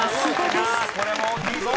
これも大きいぞ！